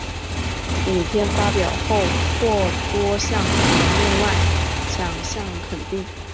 影片发表后获多项国内外奖项肯定。